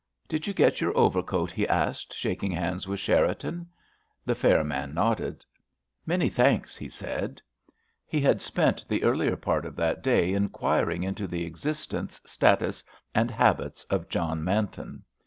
"Did you get your overcoat?" he asked, shaking hands with Cherriton. The fair man nodded. "Many thanks," he said. He had spent the earlier part of that day inquiring into the existence, status, and habits of John Manton.